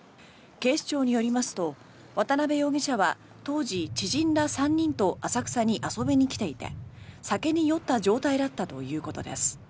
警視庁によりますと渡邊容疑者は当時、知人ら３人と浅草に遊びに来ていて酒に酔った状態だったということです。